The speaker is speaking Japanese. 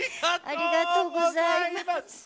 ありがとうございます。